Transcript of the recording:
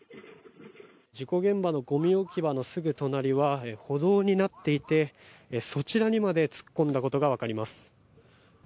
事故現場のゴミ置き場のすぐ近くは歩道になっていて、そちらにまで突っ込んだことがわかります。